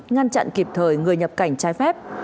ngăn chặn kịp thời người nhập cảnh trái phép